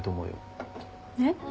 えっ？